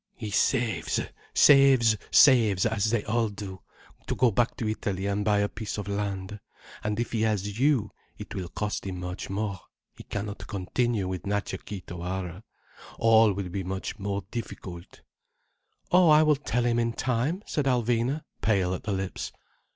He saves, saves, saves, as they all do, to go back to Italy and buy a piece of land. And if he has you, it will cost him much more, he cannot continue with Natcha Kee Tawara. All will be much more difficult—" "Oh, I will tell him in time," said Alvina, pale at the lips.